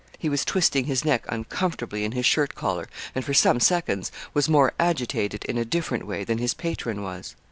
He was twisting his neck uncomfortably in his shirt collar, and for some seconds was more agitated, in a different way, than his patron was.